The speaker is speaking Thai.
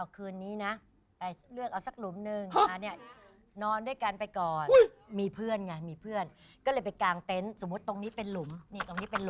จะได้รู้ว่าเข้ามาอย่างงั้น